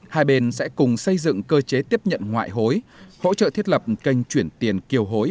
hai bên sẽ cùng xây dựng cơ chế tiếp nhận ngoại hối hỗ trợ thiết lập kênh chuyển tiền kiều hối